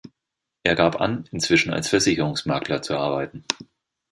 Er gab an, inzwischen als Versicherungsmakler zu arbeiten.